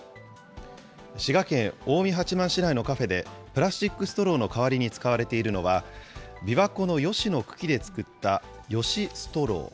滋賀県近江八幡市内のカフェで、プラスチックストローの代わりに使われているのは、びわ湖のヨシの茎で作ったヨシストロー。